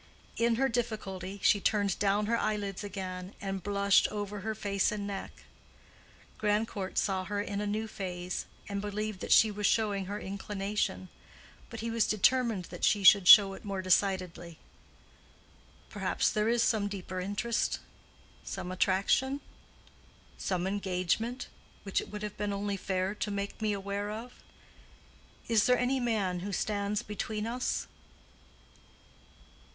In her difficulty, she turned down her eyelids again and blushed over face and neck. Grandcourt saw her in a new phase, and believed that she was showing her inclination. But he was determined that she should show it more decidedly. "Perhaps there is some deeper interest? Some attraction—some engagement—which it would have been only fair to make me aware of? Is there any man who stands between us?"